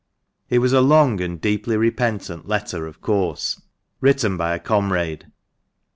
It was a long and deeply repentant letter, of course, written by a comrade.